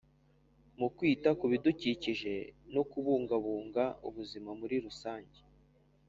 mu kwita ku bidukikije no kubungabunga ubuzima muri rusange.